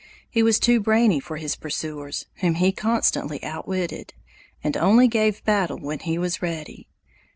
He was too brainy for his pursuers, whom he constantly outwitted, and only gave battle when he was ready.